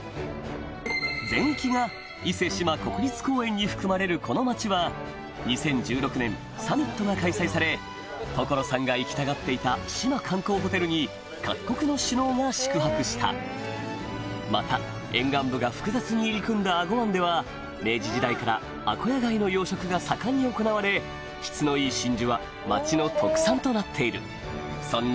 に含まれるこの町はが開催され所さんが行きたがっていた志摩観光ホテルに各国の首脳が宿泊したまた沿岸部が複雑に入り組んだ英虞湾では明治時代からアコヤ貝の養殖が盛んに行われ質のいい真珠は町の特産となっているそんな